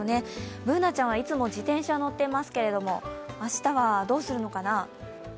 Ｂｏｏｎａちゃんはいつも自転車乗ってますけど、明日はどうすのかな？